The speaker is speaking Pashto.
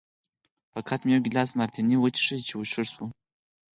فقط مې یو ګیلاس مارتیني وڅښی چې ښه و.